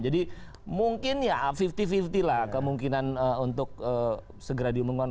jadi mungkin ya lima puluh lima puluh lah kemungkinan untuk segera diumumkan